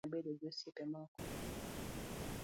Agombo mana bedo gi osiepe moko